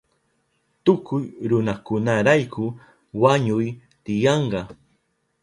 Tukuy runakunarayku wañuy tiyanka.